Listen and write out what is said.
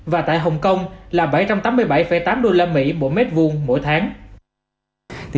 và tại hồng kông là bảy trăm tám mươi bảy tám usd